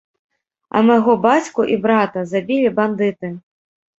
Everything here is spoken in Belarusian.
А майго бацьку і брата забілі бандыты.